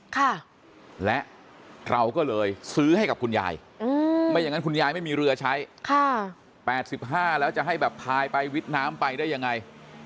ค่ะและเราก็เลยซื้อให้กับคุณยายอืมไม่อย่างนั้นคุณยายไม่มีเรือใช้ค่ะแปดสิบห้าแล้วจะให้แบบพายไปวิทย์น้ำไปได้ยังไง